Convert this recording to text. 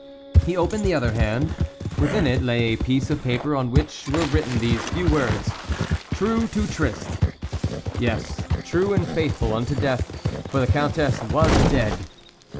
He opened the other hand ; within it lay a piece of paper on which were written these few words :" True to tryst," yes, true and faithful unto death, for the Countess was dead